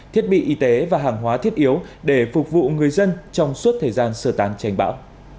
thiết bị y tế và hàng hóa thiết yếu để phục vụ người dân trong suốt thời gian sơ tán tranh bão